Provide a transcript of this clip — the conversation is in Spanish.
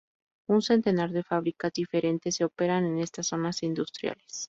Un centenar de fábricas diferentes se operan en estas zonas industriales.